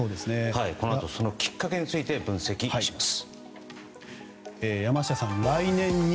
このあと、そのきっかけについて分析します。